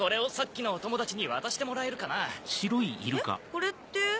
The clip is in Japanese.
これって。